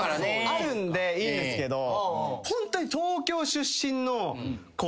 あるんでいいんですけどホントに。